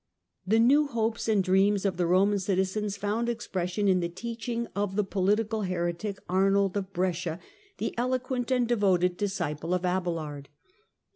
The new hopes and dreams of the Roman citizens found expression in the teaching of the " political heretic," Arnold of Brescia, the eloquent and Arnold of devoted disciple of Abelard.